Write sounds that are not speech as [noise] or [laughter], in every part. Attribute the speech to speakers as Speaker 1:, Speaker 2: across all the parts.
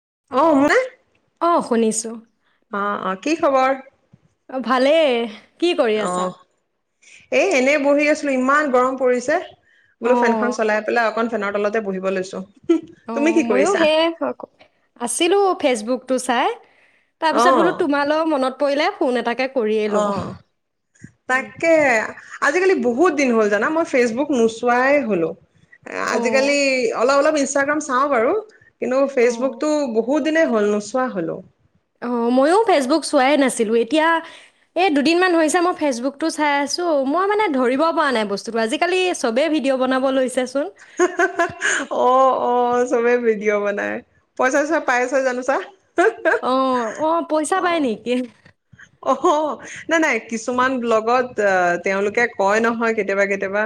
Speaker 1: [unintelligible]
Speaker 2: অ শুনিছো।
Speaker 1: অহ অ কি খবৰ?
Speaker 2: অ ভালেই। কি কৰি
Speaker 1: অ
Speaker 2: আছা
Speaker 1: এ এনে বহি আছো। ইমান গৰম পৰিছে। বোলো
Speaker 2: অঁ
Speaker 1: ফেনখন চলাই পেলাই অকন ফেনৰ তলতে বহিব লৈছো।
Speaker 2: অ
Speaker 1: তুমি কি
Speaker 2: মইও
Speaker 1: কৰিছা
Speaker 2: সেয় আছিলো ফেচবুকটো চাই
Speaker 1: অ
Speaker 2: তাৰপিছত বোলো তোমালৈও মনত পৰিলে ফোন এটাকে কৰিয়ে
Speaker 1: অ
Speaker 2: লওঁ উম।
Speaker 1: তাকে। আজিকালি বহুত দিন হ'ল জানা মই ফেচবুক নোচোৱাই হলো
Speaker 2: অঁ
Speaker 1: আজিকালি অলপ অলপ। ইনষ্টাগ্ৰাম চাওঁ বাৰু কিন্তু
Speaker 2: অঁ
Speaker 1: ফেচবুকতটো বহুত দিনে হ'ল নোচোৱা হলো।
Speaker 2: অ ময়ো ফেচবুক চোৱাই নাছিলোঁ এতিয়া এই দুদিনমান হৈছে মই ফেচবুকটো চাই আছো মই মানে ধৰিব পৰা নাই বস্তুটো আজিকালি চবেই ভিডিঅ' বনাব লৈছে
Speaker 1: অ অ চবে ভিডিঅ' বনাই পইচা চইচা পাই আছ জানোচা
Speaker 2: অঁ অঁ পইচা পায় নেকি
Speaker 1: অ নাই নাই কিছুমান ব্লগত আহ তেওঁলোকে কয় নহয় কেতিয়াবা কেতিয়াবা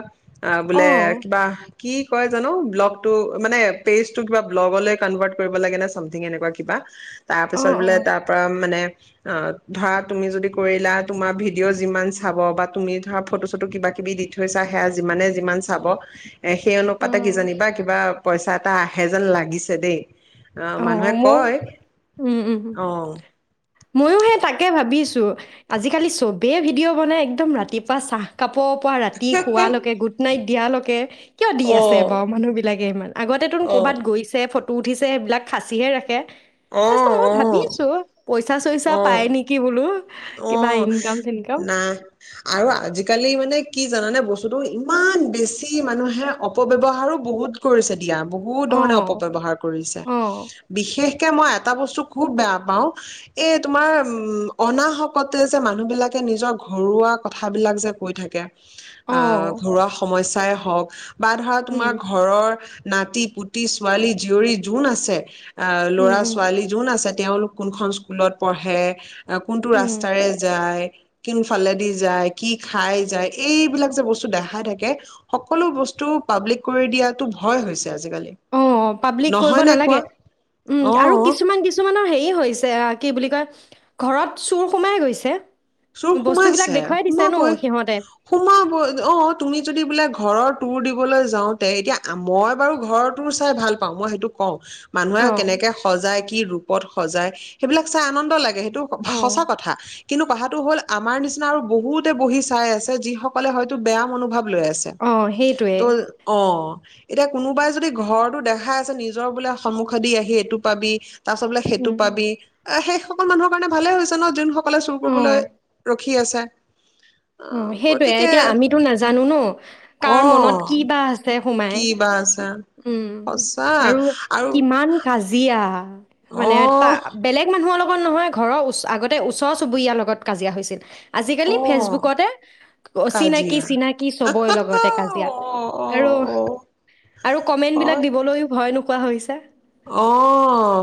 Speaker 1: অহ
Speaker 2: অঁ
Speaker 1: বোলে কিবা কি কয় জানো ব্লগটো মানে পেজটো কিবা ব্লগ কনভাৰ্ট কৰিব লাগে ন চামথিং এনেকুৱা কিবা
Speaker 2: অঁ
Speaker 1: তাৰপিছত বোলে
Speaker 2: অঁ
Speaker 1: তাৰ পৰা মানে অ ধৰা তুমি যদি কৰিলা তোমাৰ ভিডিঅ' যিমান চাব বা তুমি ধৰা ফটো চটো কিবা কিবি দি থৈছা সেয়া যিমানে যিমান চাব এ সেই অনুপাতে
Speaker 2: অঁ
Speaker 1: কিজানি বা কিবা পইচা এটা আহে যেন লাগিছে দেই আহ মানুহে
Speaker 2: অঁ মোৰ
Speaker 1: কয়
Speaker 2: উম উম
Speaker 1: অহ
Speaker 2: ময়ো হে তাকে ভাবিছো আজিকালি চবেই ভিডিঅ' বনাই একদম ৰাতিপুৱা চাহ কাপ পূৱা পৰা ৰাতি শোৱালৈকে গুড নাইট দিয়ালৈকে কিয় দি
Speaker 1: অ
Speaker 2: আছে বাৰু মানুহ বিলাকে ইমান আগতে তোনো
Speaker 1: অ
Speaker 2: ক'বাত গৈছে উঠিছে সেইবিলাক সাঁচীহে ৰাখে
Speaker 1: অ',
Speaker 2: তাৰপিছত মই ভাবি
Speaker 1: অ',
Speaker 2: আছো পইচা চইচা পাই
Speaker 1: অ',
Speaker 2: নেকি বোলো। কি ভাই
Speaker 1: অ',
Speaker 2: ইনকম চনকম
Speaker 1: নাই আৰু আজিকালি মানে কি জানানে বস্তুতটো ইমান বেছি মানুহে অপৱহাৰো বহুত কৰিছে। দিয়া বহু ধৰণে
Speaker 2: অঁ
Speaker 1: অপব্য়ৱহাৰ কৰিছে,
Speaker 2: অঁ
Speaker 1: বিশেষ তে মই এটা বস্তু খুব বেয়া পাও এ তোমাৰ উম অনাহকতে যে মানুহবিলাকে নিজৰ ঘৰুৱা কথাবিলাক যে কৈ থাকে অ'
Speaker 2: অঁ
Speaker 1: ঘৰুৱা সমস্যা চাই হওক বা ধৰা
Speaker 2: উম
Speaker 1: তোমাৰ ঘৰৰ নাতি পুতি ছোৱালী জীয়ৰী যোন আছে অ'
Speaker 2: উম
Speaker 1: ল'ৰা
Speaker 2: উম
Speaker 1: ছোৱালী যোন আছে তেওঁলোক কোনখন স্কুলত পঢ়ে কোনটো
Speaker 2: উম
Speaker 1: ৰাস্তাৰে যায় কোনফালেদি যায় কি খাই যায় এইবিলাক যে বস্তু দেখাই থাকে সকলো বস্তু পাব্লিক কৰি দিয়াতো ভয় হৈছে। আজিকালি
Speaker 2: অ' পাব্লিক কৰিব
Speaker 1: নহয় নে কোৱা
Speaker 2: নালাগে উম আৰু
Speaker 1: অ
Speaker 2: কিছুমান কিছুমানৰ হেৰি এই হৈছে কি বুলি কয় ঘৰত চুৰ সোমাই গৈছে
Speaker 1: চোৰ
Speaker 2: বস্তুবিলাক
Speaker 1: সোমাইছে
Speaker 2: দেখুৱাই দিছে ন
Speaker 1: সোমাবই
Speaker 2: সিহঁতে
Speaker 1: সোমাবই অ' তুমি যদি বোলে ঘৰৰ তোৰ দিবলৈ যাওঁতে এতিয়া মই বাৰু ঘৰ তোৰ চাই ভাল পাওঁ মই সেইটো কওঁ
Speaker 2: অ
Speaker 1: মানুহে কেনেকে সজাই কি ৰূপত সজাই সেইবিলাক চাই আনন্দ লাগে সেই এইটো
Speaker 2: অ
Speaker 1: সঁচা কথা। কিন্তু [unintelligible] হ'ল আমাৰ নিচিনা আৰু বহুতে বহি চাই আছে যিসকলে হয়তো বেয়া মনোভাৱ লৈ আছে
Speaker 2: অ সেইটোৱে
Speaker 1: ত' অ' এতিয়া কোনোবাই যদি ঘৰৰতটো দেখাই আছে নিজৰ বোলে সন্মুখে দি আহি এইটো পাবি তাৰপিছত বোলে সেইটো
Speaker 2: উম
Speaker 1: পাবি সেই সকল মানুহৰ কাৰণে ভালেই হৈছে ন যোন সকলে চুৰ
Speaker 2: অ
Speaker 1: কৰিবলৈ খি আছে
Speaker 2: উ
Speaker 1: অ',
Speaker 2: সেইটোয়ে
Speaker 1: গতিকে
Speaker 2: এতিয়া আমিতো নাজানো ন কাৰ মনত
Speaker 1: অ',
Speaker 2: কি বা আছে [unintelligible]
Speaker 1: কি বা আছে
Speaker 2: উ
Speaker 1: সঁচা
Speaker 2: আৰু কিমান কাজিয়া [inaudible] মানে ত
Speaker 1: অ',
Speaker 2: বেলেগ মানুহৰ অলপ নহয় ঘৰৰ ও আগতে ওচৰ চুবুৰীয়াৰ লগত কাজিয়া হৈছিল আজিকালি
Speaker 1: অ',
Speaker 2: ফেচবুক। অ চিনাকি
Speaker 1: কাজিয়া
Speaker 2: চিনাকি চবই লগতে কাজিয়া
Speaker 1: অ', অ',
Speaker 2: আৰু
Speaker 1: অ',
Speaker 2: আৰু কমেন্ট বিলাক
Speaker 1: হয়
Speaker 2: দিবলৈও ভয় ন কোৱা হৈছে
Speaker 1: অ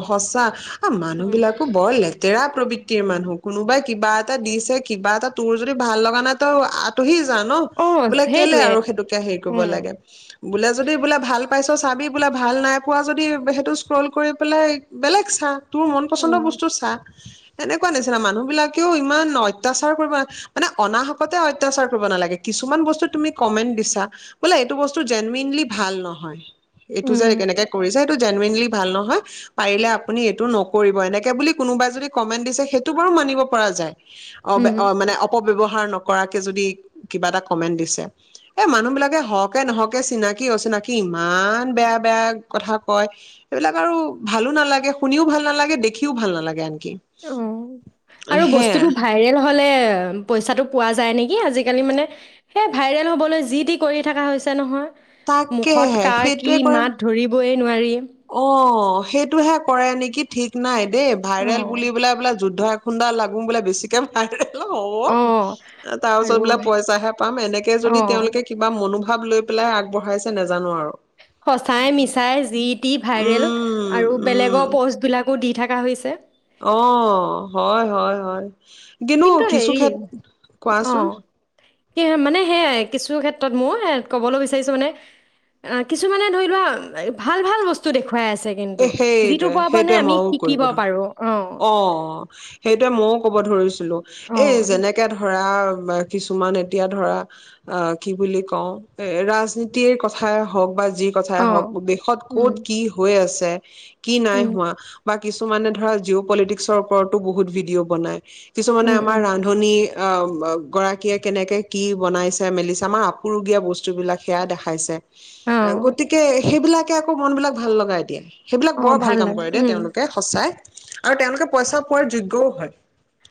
Speaker 1: সঁচা। অ
Speaker 2: উম
Speaker 1: মানুহবলাকো বয় লে ডৰা প্ৰবৃত্তিৰ মানুহ কোনোবাই কিবা এটা দিছে কিবা এটা তোৰ যদি ভাল লগা নাই তই আঁতহি ন
Speaker 2: অ
Speaker 1: বোলে কেলে
Speaker 2: সেইটোৱে
Speaker 1: আৰু সেইটোকে হেৰি কৰিব
Speaker 2: উম
Speaker 1: লাগে বোলে যদি বোলে ভাল পাইছ চাবি বোলে ভাল নাই পোৱা যদি টো স্ক্ৰল কৰি পেলাই বেলেগ চা তোৰ মন
Speaker 2: অ
Speaker 1: পচন্দৰ বস্তু চা এেনেকুৱা নিচিনা মানুহবিলাকেও ইমান অত্যাচাৰ কৰিব মানে অনাহকতে অত্যাচাৰ কৰিব নালাগে কিছুমান বস্তু তুমি কমেণ্ট দিছা বোলে এইটো বস্তু জেনুৱনলি ভাল নহয়। এইটো যে
Speaker 2: উম
Speaker 1: কেনেকে কৰিছে। এইটো জেনুৱনলি ভাল নহয় পাৰিলে আপুনি এইটো নকৰিব এনেকে বুলি কোনোবাই যদি কমেন্ট দিছে সেইটো বাৰু মানিব পৰা যায়। অ
Speaker 2: উম
Speaker 1: অ মানে অপ ব্যৱহাৰ নকৰাকে যদি কিবা এটা কমেন্ট দিছে এ মানুহ বিলাকে হওঁকে নহকে চিনাকি অচিনাকি ইমান বেয়া বেয়া কথা। কয় এইবিলাক আৰু ভালো নালাগে শুনিও ভাল নালাগে দেখিও ভাল নালাগে আনে
Speaker 2: অ আৰু বস্তুতটো ভাইৰেল হলে পইচাটো পোৱা যায় নেকি আজিকালি মানে সেই ভাইৰেল হ'বলৈ যি টি কৰি থকা হৈছে নহয় মুখত
Speaker 1: তাকেহে
Speaker 2: কাৰ কি মাত ধৰিবই জান নোৱাৰী।
Speaker 1: অ অ সেইটোহে কৰে নেকি ঠিক নাই দেই
Speaker 2: অ
Speaker 1: ভাইৰেল বুলিবোলে বোলে যুদ্ধ এ খুন্দা লাগো বোলে বেছিকে ভাইৰেল
Speaker 2: অ
Speaker 1: হ'ব তাৰ
Speaker 2: আৰু
Speaker 1: পিছত বোললে পইচাহে পাম এনেকে
Speaker 2: অ
Speaker 1: যদি তেওঁলোকে কিবা মনোভ অভাৱ লৈ পেলাই আগবঢ়াইছে নোজানো আৰু
Speaker 2: সঁচাই মিছাই যি ভাইৰেল
Speaker 1: উম
Speaker 2: আৰু
Speaker 1: উম
Speaker 2: বেলেগৰ পষ্ট বিলাকো দি থাকে থকা হৈছে
Speaker 1: অ হয় হয় হয়। কিনো
Speaker 2: কিন্তু
Speaker 1: কিছো
Speaker 2: হেৰি
Speaker 1: কেত কোৱাচোন।
Speaker 2: স মানে সেয়াই কিছু ক্ষেত্ৰত ময় ক'বলৈ বিচাৰিছোঁ মানে কিছুমানে ধৰি লোৱা ভাল ভাল বস্তু দেখো
Speaker 1: এ সেইটোৱে সেইটোৱে মই কৰিব
Speaker 2: শিকিব
Speaker 1: ধৰো
Speaker 2: পাৰোঁ।
Speaker 1: অ সেইটোৱে মই ক'ব ধৰিছো। বোলো এই
Speaker 2: অ', সেই
Speaker 1: যেনেকে ধৰা বা কিছুমান এতিয়া ধৰা অ কি বুলি কওঁ এ ৰাজনীতিৰ কথাই হওঁক বা আজি কথাই হওক
Speaker 2: অ',
Speaker 1: দেশত
Speaker 2: উম,
Speaker 1: ক'ত কি হৈ আছে যে কি নাই
Speaker 2: উম,
Speaker 1: হোৱা বাকী কিছুমানে ধৰা জিঅ' পলিটিক্সৰ ওপৰতো বহুত ভিডিঅ' বনায় কিছুমানে
Speaker 2: উম,
Speaker 1: আমাৰ
Speaker 2: উম,
Speaker 1: ৰান্ধনী গৰাকীয়ে কেনেকে কি বনাইছে মেলিছে আমাৰ আপুৰুগীয়া বস্তুবিলাক সেয়া দেখাইছে।
Speaker 2: অ',
Speaker 1: গতিকে সেইবিলাক তাকে আকৌ মন বিলাক ভাল লগা এতিয়া। সেইবিলাক
Speaker 2: অ',
Speaker 1: বৰ ভাল কাম
Speaker 2: লাগে।
Speaker 1: কৰে দেই
Speaker 2: উম,
Speaker 1: তেওঁলোকে সঁচাই আৰু তেওঁলোকে পইচা পোৱাৰ যোগ্যও হয়।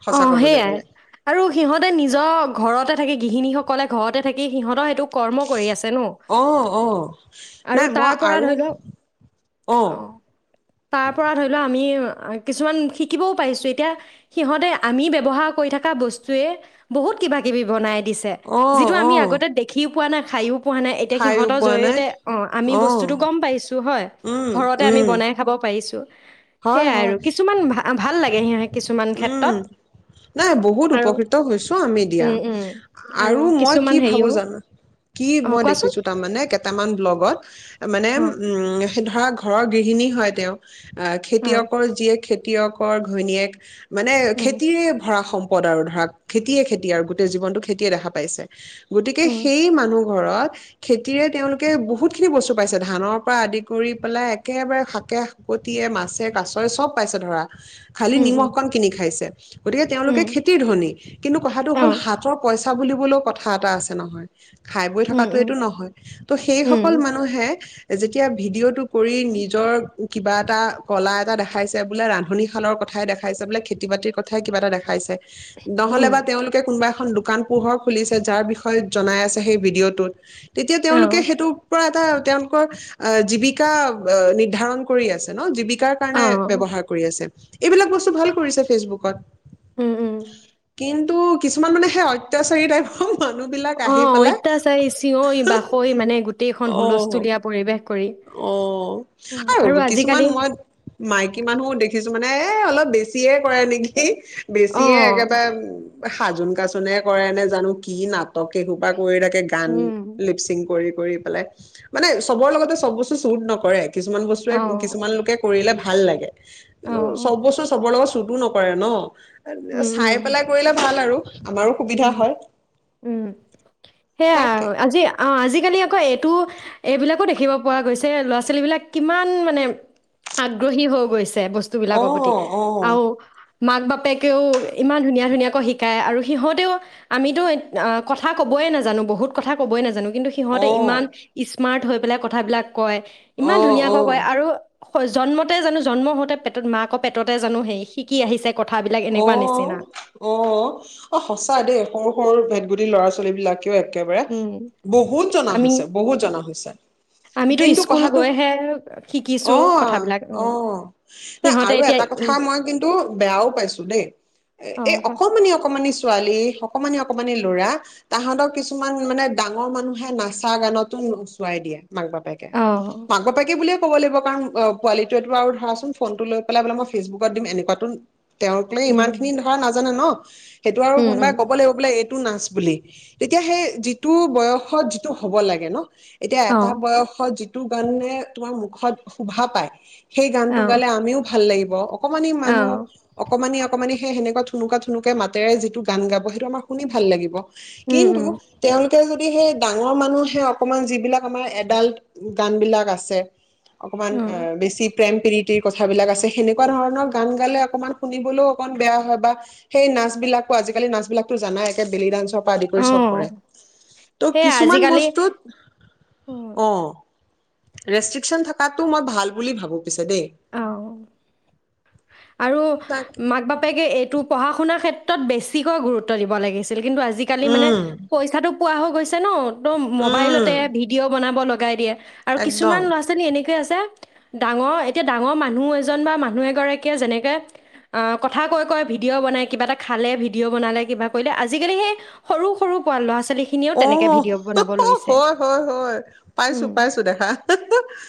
Speaker 1: সঁচা
Speaker 2: অঁ
Speaker 1: কবলৈ
Speaker 2: সেইয়াই
Speaker 1: গলে
Speaker 2: আৰু সিহঁতে নিজৰ ঘৰতে থাকে গৃহিণীসক ক'লে ঘৰতে থাকি সিহঁতৰেইটো! কৰ্ম কৰি আছে ন
Speaker 1: অ অ
Speaker 2: আৰু
Speaker 1: নাই মই
Speaker 2: তাৰ পৰা
Speaker 1: আৰু
Speaker 2: ধৰি লও
Speaker 1: অ
Speaker 2: তাৰ পৰা ধৰি লও আমি কিছুমান শিকিবও পাৰিছো এতিয়া সিহঁতে আমি ব্যৱহাৰ কৰি থকা বস্তুৱে বহুত কিবা কিবি বনাই দিছে
Speaker 1: অ
Speaker 2: যিটো
Speaker 1: অ
Speaker 2: আমি আগতে দেখি পোৱা নাই খায়ো পোৱা নাই। এতিয়া
Speaker 1: খাইও
Speaker 2: সিহঁতৰ
Speaker 1: পোৱা নাই
Speaker 2: জৰিয়তে অঁ আমি
Speaker 1: অ
Speaker 2: বস্তুটো গম পাইছোঁ হয়।
Speaker 1: উম
Speaker 2: ঘৰতে আমি
Speaker 1: উম
Speaker 2: বনাই খাব পাৰিম। আহছোঁ
Speaker 1: হয়
Speaker 2: সেয়াই
Speaker 1: হয়
Speaker 2: আৰু কিছুমান ভ ভাল লাগে সিহতৰ কিছুমান ক্ষেত্ৰত।
Speaker 1: উম নাই বহুত
Speaker 2: আৰু
Speaker 1: উপকৃত হৈছো আমি দিয়া
Speaker 2: উম উম
Speaker 1: আৰু মই আৰু
Speaker 2: কিছুমান
Speaker 1: কি ভাবো
Speaker 2: হেৰিও
Speaker 1: জানা
Speaker 2: অঁ
Speaker 1: কিবা
Speaker 2: কোৱাচোন
Speaker 1: দেখিছোঁ মানে কেইটামান ব্লকত মানে উম
Speaker 2: অঁ
Speaker 1: উম ধৰা ঘৰৰ গৃহিণী হয় তেওঁ! অ
Speaker 2: অঁ
Speaker 1: খেতিয়কৰ যিয়েক খেতি তিয়কৰ ঘৈণীয়েক মানে
Speaker 2: উম
Speaker 1: খেতিৰে ভৰা সময়। পদ আৰু ধৰাক খেতিয়ে খেতি আৰু গোটেই জীৱনতটো খেতিয়ে দেখা পাইছে। গতিকে
Speaker 2: উম
Speaker 1: সেই মানুহ ঘৰত খেতিৰে তেওঁলোকে বহুত খিনি বস্তু পাইছে ধানৰ পৰা আদি কৰি পেলাই একেবাৰে শাকে কটিয়ে মাছে কাছৰে চব পাইছে ধৰা! খালি
Speaker 2: উম উম
Speaker 1: নিমখকণ কিনি খাইছে। গতিকে তেওঁলোকে
Speaker 2: উম
Speaker 1: খেতিৰ ধ্বনি কিন্তু কথাটো হ'ল
Speaker 2: অঁ
Speaker 1: হাতৰ পইচা কথা বুলিবলৈও কথা এটা আছে নহয়! খাই বৈ
Speaker 2: উম
Speaker 1: থকাতো
Speaker 2: উম
Speaker 1: এইটো নহয় ত' সেইসকল
Speaker 2: উম
Speaker 1: মানুহে যেতিয়া ভিডিঅ' তটো কৰি নিজৰ কিবা এটা ক'লা এটা দেখাইছে বোলে নহলে
Speaker 2: উম
Speaker 1: বা তেওঁলোকে কোনোবা এখন দোকান পোহৰ খুলিছে যাৰ বিষয়ে জনাই আছে সেই ভিডিঅ'টোত। তেতিয়া
Speaker 2: অঁ
Speaker 1: তেওঁলোকে সেইটোৰ পৰা এটা তেওঁলোকৰ আহ জীৱিকা নিৰ্ধাৰণ কৰি আছে ন জীৱিক কৰ কাৰণে
Speaker 2: অঁ
Speaker 1: ব্যৱহাৰ কৰি আছে এইবিলাক বস্তু ভাল কৰিছে ফেচবুকত
Speaker 2: উম উম
Speaker 1: কিন্তু কিছুমান মানে সেই অত্যাচাৰী টাইপহৰ
Speaker 2: অইতাচাৰি চিঞৈৰি বাাসৈ মানে গোটেইখন
Speaker 1: অ
Speaker 2: হুলস্থুলীয়া পৰিৱেশ। কৰি
Speaker 1: অ'
Speaker 2: অ
Speaker 1: আৰু কিছুমান
Speaker 2: আজিকালি
Speaker 1: মই মাইকী মানুহ দেখিছো মানে অলপ বেছিয়ে কৰে নেকি?
Speaker 2: অ
Speaker 1: বেছিয়ে একেবাৰে সাজোন কাচোনে কৰে নে জানো কি নাটক এখুপা কৰি থাকে গান
Speaker 2: উম
Speaker 1: লিপচিং কৰি। কৰি পেলাই মানে চবৰ লগতে চব বস্তু চুট নকৰে। কিছুমান বস্তুৱে
Speaker 2: অ
Speaker 1: কিছুমান লোকে কৰিলে ভা ভাল লাগে।
Speaker 2: অ
Speaker 1: সব বস্তু চনৰ লগত ততো নপৰে ন।
Speaker 2: উম
Speaker 1: চাই
Speaker 2: উম
Speaker 1: পেলাই কৰিলে ভাল [unintelligible] আৰু। আমাৰো সুবিধা
Speaker 2: উম,
Speaker 1: হয়
Speaker 2: উম সেয়া
Speaker 1: তাকে
Speaker 2: আও আজি অ আজিকালি আকৌ এইটো এইবিলাকো দেখিব পৰ গৈছে ল'ৰা ছোৱালীবিলাক কিমান মানে আগ্ৰহী হৈ গৈছে। বেয়া বস্তু
Speaker 1: অ',
Speaker 2: বিলাকৰ প্ৰতি
Speaker 1: অ',
Speaker 2: আৰু। মাক বাপেকেও ইমান ধুনীয়া ধুনীয়াকৈ শিকায় আৰু সিহঁত আমিতো আমিতো কথা কবয়ে নাজানো বহুত কথা কবয়ে নাজানো কিন্তু সিহঁতে ইমান
Speaker 1: অ',
Speaker 2: স্ক স্মাৰ্ট হৈ পেলাই কথাবিলাক কয় ইমান ধুনীয়াকৈ কয়
Speaker 1: অ', অ',
Speaker 2: আৰু জন্মতে জানো জন্ম হওঁতে পেটত মাকৰ আকৌ পেটতে জানো হেই শিকি আহিছে কথাবিলাক এনেকুৱা নিচিনা
Speaker 1: অ', অ', অ', সঁচ চ দেই সৰু সৰুৰ ভেদ ভটতি ল'ৰা ছোৱালী বিলাকে একেবাৰে
Speaker 2: উম
Speaker 1: বহুত জনা
Speaker 2: আমি
Speaker 1: হৈছে, বহুত জনা হৈছে।
Speaker 2: আমিতো
Speaker 1: কিন্তু
Speaker 2: স্কুল
Speaker 1: কথাটো
Speaker 2: গৈহে শিকিছোঁ
Speaker 1: অ'
Speaker 2: কথাবিলাক।
Speaker 1: অ' ন
Speaker 2: সিহঁতে
Speaker 1: আৰু
Speaker 2: এতিয়া
Speaker 1: এটা
Speaker 2: ই
Speaker 1: কথা, মই কিন্তু বেয়াও পাইছোঁ। দেই
Speaker 2: অ,
Speaker 1: এই
Speaker 2: ক
Speaker 1: অকমানি অকমানি ছোৱালী অকমানে, অকমানি ল'ৰা তাহাঁতক কিছুমান মানে ডাঙৰ মানুহে নাচা গানতো নচুৱাই দিয়ে। মাক বাপেকে,
Speaker 2: অ,
Speaker 1: মাক বাপেকে বোলে ক'ব লাগিব কাৰণ পোৱালিটোৱেটো আৰু ধৰাচোন ফোনটো লৈ পেলাই বোলে মই ফেচবুকত দিম এনেকুৱাতো তেওঁকে ইমান
Speaker 2: উম,
Speaker 1: খিনি ধৰা নাজানে ন'। [inaudible] সেইটো আৰু
Speaker 2: উম,
Speaker 1: কোনোবাই
Speaker 2: উম,
Speaker 1: ক'ব লাগিব বোলে টো নাচ বুলি তেতিয়া সেই যিটো বয়সত যিটো হ'ব লাগে ন' এতিয়া
Speaker 2: অ,
Speaker 1: এটা বয়সত যিটো গানে তোমাৰ মুখত শোভা পায়। সেই গান
Speaker 2: অ,
Speaker 1: টো গালে আমিও ভাল লাগিব বা [unintelligible] অকমানি
Speaker 2: অ,
Speaker 1: মানুহ অকমানি অকমানি সেই সনেকুৱা থুনুকা থুনুকে মাতেৰে যিটো গান গাব সেইটো আমাৰ শুনি ভাল লাগিব
Speaker 2: উম,
Speaker 1: কিন্তু
Speaker 2: উম,
Speaker 1: তেওঁলোক তেওঁ যদি সেই ডাঙৰ মানুহে অকমান যিবিলাক আমাৰ এডাল্ট গান বিলাক আছে অকমান
Speaker 2: উম,
Speaker 1: বেছি প্ৰেম প্ৰি সেই কথাবিলাক আছে সেনেকুৱা ধৰণৰ গান গালে অকণমান শুনিবলৈও অকন বেয়া হয় বা সেই নাচ বিলাকো আজিকালি নাচ বিলাকটো জানাই একে বেলি ডান্ঞ্চৰ আদি
Speaker 2: অ,
Speaker 1: কৰি চব কৰে ত'
Speaker 2: সেয়া
Speaker 1: কিছুমান
Speaker 2: আজিকালি
Speaker 1: বস্তুত অ ৰেষ্ট্ৰিকচন থকাটো মই ভাল বুলি ভাবো পিছে দেই
Speaker 2: অ। আৰু
Speaker 1: তাকে
Speaker 2: মাক বাপেকে এই টো পঢ়া শুনাৰ ক্ষেত্ৰত বেছিকৈ গুৰুত্ব দিব লাগিছিল কিন্তু আজিকালি মানে
Speaker 1: উম
Speaker 2: পইচাটো পোৱা হৈ গৈছে ন একদম
Speaker 1: উম
Speaker 2: মবাইলতে ভিডিঅ' বনাব লগাই দিয়ে আৰু কিছুমান
Speaker 1: একদম
Speaker 2: ল'ৰা ছোৱালী এনেকে আছে ডাঙৰ এতিয়া ডাঙৰ মানুহ এজন বা মানুহ এগৰাকীয়ে যেনেকে কথা কৈ কৈ ভিডিঅ' বনাই কিবা এটা খালে ভিডিঅ' বনালে কিবা কৰিলে আজিকালি সেই সৰু সৰু ল'ৰা ছাল
Speaker 1: আহ হয় হয় হয় পাইছো
Speaker 2: উম
Speaker 1: পাইছো দেখা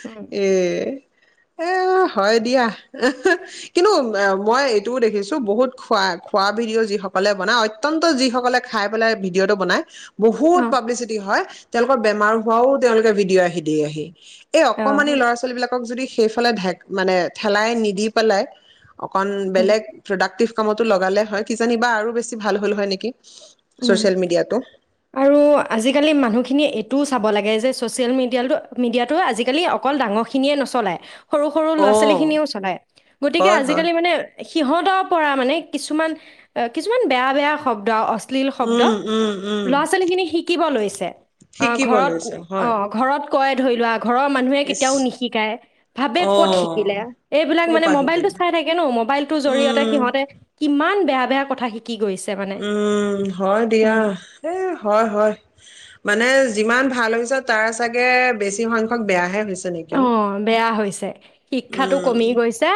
Speaker 2: উম
Speaker 1: এ এ হয় দিয়া কিন্তু মই এইটোও দেখিছো বহুত খোৱা খোৱা ভিডিঅ' যিসকলে বনাই অত্যন্ত যিসকলে খাই পেলাই ভিডিঅ'টো বনাই
Speaker 2: অ
Speaker 1: বহুত পাব্লিচিটি হয় তেওঁলোকৰ বেমাৰ হোৱাও তেওঁলোকে ভিডিঅ' আহি দিয়ে আহি এই
Speaker 2: অ
Speaker 1: অকমানি ল'ৰা ছোৱালী বিলাকক যদি সেইফালে [unintelligible] মানে ঠেলাই নিদি পেলাই অকণ
Speaker 2: উম
Speaker 1: বেলেগ প্ৰডাক্টিভ কামতো লগালে হয় কিজানিবা আৰু বেছি ভাল হ'ল হয় নেকি
Speaker 2: উম
Speaker 1: ছ'চিয়েল মিডিয়াটো
Speaker 2: আৰু আজিকালি মানুহখিনিয়ে এইটোও চাব লাগে যে ছ'চিয়েল মিডিয়ালটো মিডিয়াটো আজিকালি অকল ডাঙৰখিনিয়ে নচলাই সৰু সৰু ল'ৰা
Speaker 1: অ'
Speaker 2: ছোৱালীখিনিও চলাই গতিকে
Speaker 1: হয় হয়।
Speaker 2: আজিকালি মানে সিহঁতৰ পৰা মানে কিছুমান কিছুমান বেয়া বেয়া শব্দ অ অশ্লীল শব্দ
Speaker 1: উম উম উম
Speaker 2: [unintelligible] খিনি শিকিব লৈছে
Speaker 1: শিকিব
Speaker 2: ঘৰত
Speaker 1: লৈছা
Speaker 2: অ
Speaker 1: হয়
Speaker 2: ঘৰত কয় ধৰি লোৱা ঘৰৰ মানুহে
Speaker 1: ইচ
Speaker 2: কেতিয়াও নিশিকায় ভাবে
Speaker 1: অ
Speaker 2: ক'ত শিকিলে এইবিলাক
Speaker 1: কৰ
Speaker 2: মানে
Speaker 1: পৰা
Speaker 2: মোবাইলটো
Speaker 1: শিকিলা
Speaker 2: চাই থাকে ন মোবাইলটোৰ জৰিয়তে
Speaker 1: উম
Speaker 2: সিহঁতে কিমান বেয়া বেয়া কথা শিকি গৈছে মানে
Speaker 1: উম হয় দিয়া এ হয় হয় মানে যিমান ভাল হৈছে তাৰ চাগে বেছি সংখ্যক বেয়াহে হৈছে
Speaker 2: অ
Speaker 1: নেকি
Speaker 2: বেয়া হৈছে শিক্ষাটো
Speaker 1: উম
Speaker 2: কমি গৈছে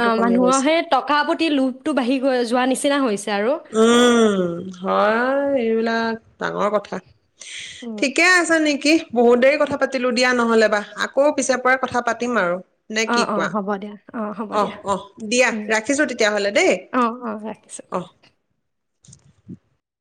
Speaker 2: অ
Speaker 1: কমি
Speaker 2: মানুহৰ
Speaker 1: গৈছে
Speaker 2: সেই টকা প্ৰতি লোভটো বাঢ়ি গৈ যোৱা নিচিনা চিনা হৈছে আৰু।
Speaker 1: উম হয় এইবিলাক ডাঙৰ কথা
Speaker 2: উম।
Speaker 1: ঠিকে আছা নেকি বহুত দেৰি কথা পাতিলো দিয়া নহলে বা আকৌ পিছে পৰে কথা পাতিম আৰু নে কি
Speaker 2: অ', অ',
Speaker 1: কোৱা
Speaker 2: হ'ব দিয়া, অ', হ'ব
Speaker 1: অহ
Speaker 2: দিয়া,
Speaker 1: অ দিয়া
Speaker 2: উম,
Speaker 1: ৰাখিছো তেতিয়াহ'লে দেই
Speaker 2: অ', অ', ৰাখিছোঁ।
Speaker 1: অহ [inaudible]